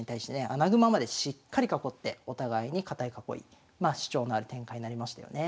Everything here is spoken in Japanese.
穴熊までしっかり囲ってお互いに堅い囲い主張のある展開になりましたよね。